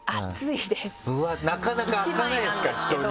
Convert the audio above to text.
なかなか開かないんですか人に。